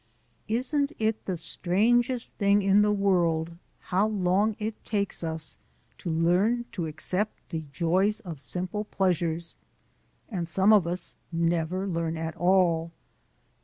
Isn't it the strangest thing in the world how long it takes us to learn to accept the joys of simple pleasures? and some of us never learn at all.